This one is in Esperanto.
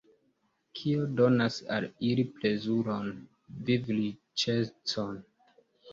Kio donas al ili plezuron, vivriĉecon?